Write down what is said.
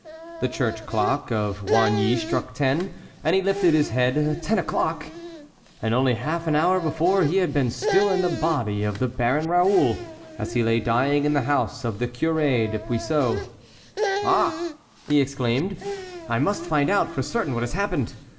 The church clock of Oigny struck ten, and he lifted his head. Ten o'clock ! and only half an hour before he had been still in the body of the Baron Raoul, as he lay dying in the house of the Cur6 of Puiseux. " Ah !" he exclaimed " I must find out for certain what has happened